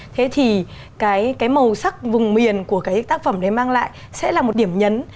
thế thì cái màu sắc vùng miền của cái tác phẩm đấy mang lại sẽ là một điểm nhấn